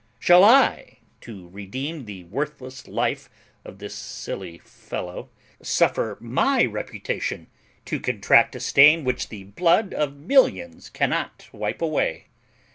Shall I, to redeem the worthless life of this silly fellow, suffer my reputation to contract a stain which the blood of millions cannot wipe away?